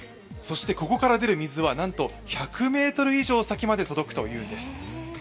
そしてここから出る水はなんと１００ｍ以上先まで届くというんです。